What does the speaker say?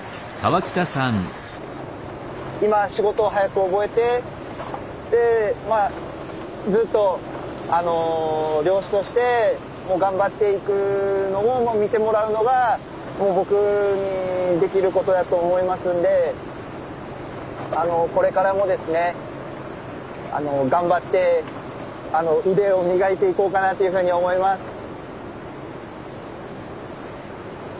今仕事を早く覚えてでまあずっと漁師として頑張っていくのを見てもらうのが僕にできることやと思いますんでこれからもですね頑張って腕を磨いていこうかなっていうふうに思います。